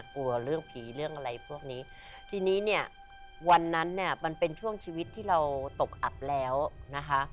กลัวเรื่องผีเรื่องอะไรพวกนี้ทีนี้เนี่ยวันนั้นเนี่ยมันเป็นช่วงชีวิตที่เราตกอับแล้วนะคะ